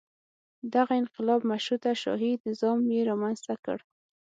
دغه انقلاب مشروطه شاهي نظام یې رامنځته کړ.